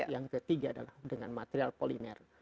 yang ketiga adalah dengan material polimer